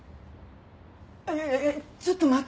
いやいやちょっと待って。